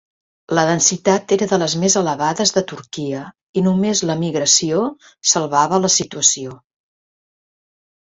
La densitat era de les més elevades de Turquia i només l'emigració salvava la situació.